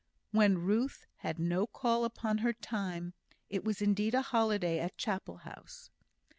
When Ruth had no call upon her time, it was indeed a holiday at Chapel house.